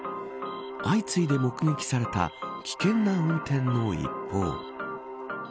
相次いで目撃された危険な運転の一方。